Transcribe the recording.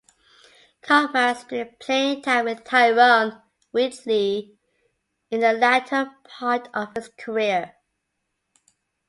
Kaufman split playing time with Tyrone Wheatley in the latter part of his career.